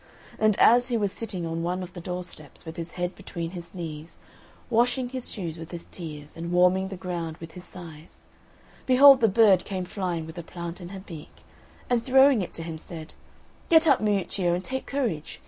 And as he was sitting on one of the door steps, with his head between his knees, washing his shoes with his tears and warming the ground with his sighs, behold the bird came flying with a plant in her beak, and throwing it to him, said, "Get up, Miuccio, and take courage!